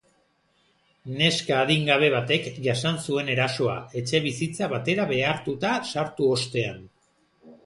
Neska adingabe batek jasan zuen erasoa, etxebizitza batera behartuta sartu ostean.